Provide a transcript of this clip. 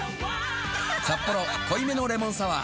「サッポロ濃いめのレモンサワー」